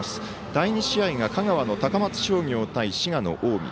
第２試合が香川の高松商業対滋賀の近江。